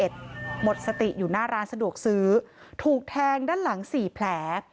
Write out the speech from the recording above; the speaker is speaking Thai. หมดสติอยู่หน้าร้านสะดวกซื้อถูกแทงด้านหลัง๔แผล